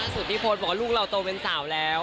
สุพริพนท์บอกว่าลูกเราโตเป็นสาวแล้ว